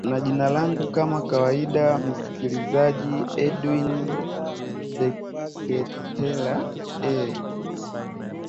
na jina langu kama kawaida msikilizaji edwin ndeketela eeh